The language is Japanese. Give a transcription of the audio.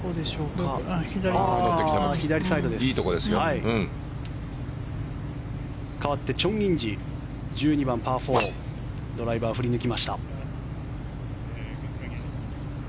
かわってチョン・インジ１２番、パー４ドライバー、振り抜きました。